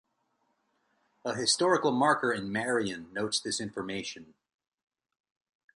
A historical marker in Marion notes this information.